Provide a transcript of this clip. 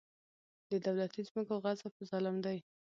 د دولتي ځمکو غصب ظلم دی.